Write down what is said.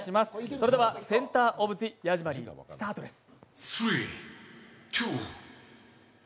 それでは「センター・オブ・ジ・ヤジマリー」スタートです。